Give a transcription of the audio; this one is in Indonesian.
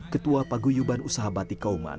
ketua paguyuban usaha batik kauman